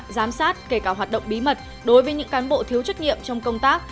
giám sát kể cả hoạt động bí mật đối với những cán bộ thiếu trách nhiệm trong công tác